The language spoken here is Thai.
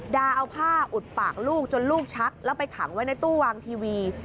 ดาเอาผ้าอุดปากลูกจนลูกชักแล้วไปขังไว้ในตู้วางทีวี